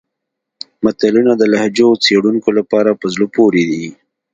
متلونه د لهجو څېړونکو لپاره په زړه پورې دي